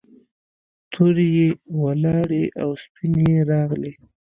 تورې یې ولاړې او سپینې یې راغلې.